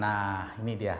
nah ini dia